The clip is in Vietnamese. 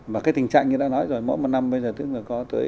và cái tình trạng như đã nói rồi mỗi một năm bây giờ tức là có